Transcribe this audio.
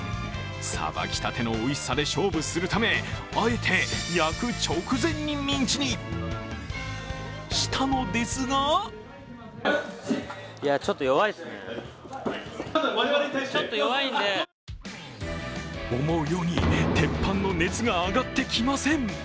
さばきたてのおいしさで勝負するため、あえて焼く直前にミンチにしたのですが思うように鉄板の熱が上がってきません。